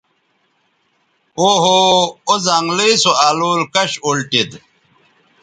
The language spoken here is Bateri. او ہو او زنگلئ سو الول کش اُلٹید